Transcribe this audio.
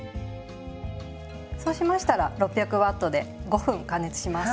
そうしましたら６００Ｗで５分加熱します。